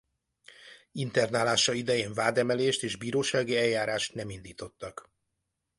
Internálása idején vádemelést és bírósági eljárást nem indítottak.